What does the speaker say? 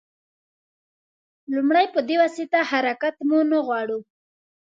لومړی په دې واسطه حرکت مو نه غواړو.